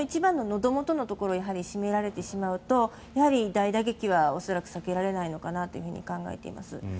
元々のところを求められてしまうと大打撃は恐らく避けられないのかなと考えています。